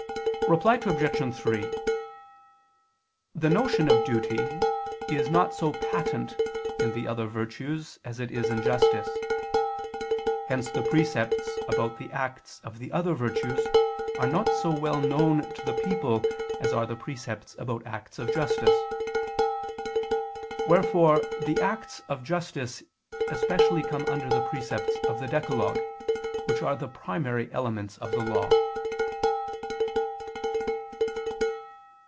Reply Obj. 3: The notion of duty is not so patent in the other virtues as it is in justice. Hence the precepts about the acts of the other virtues are not so well known to the people as are the precepts about acts of justice. Wherefore the acts of justice especially come under the precepts of the decalogue, which are the primary elements of the Law.